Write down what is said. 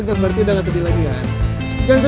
iya itu udah siapa tadi